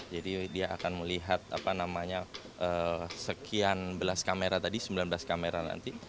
jadi dia akan melihat apa namanya sekian belas kamera tadi sembilan belas kamera nanti